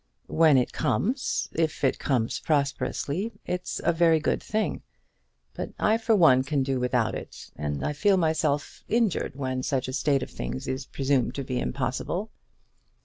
When it comes, if it comes prosperously, it's a very good thing. But I for one can do without it, and I feel myself injured when such a state of things is presumed to be impossible."